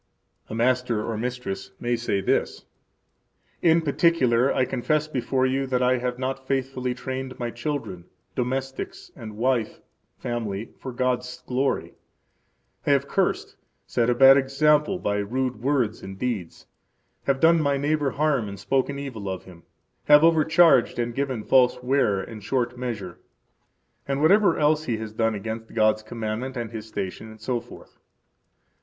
A master or mistress may say thus: In particular I confess before you that I have not faithfully trained my children, domestics, and wife [family] for God's glory. I have cursed, set a bad example by rude words and deeds, have done my neighbor harm and spoken evil of him, have overcharged and given false ware and short measure. And whatever else he has done against God's command and his station, etc.